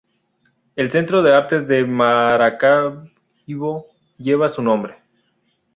El Centro de Artes de Maracaibo lleva su nombre.